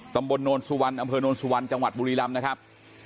ตำบลนรสุวัลอำเภอนรสุวัลจังหวัดบุรีรำนะครับ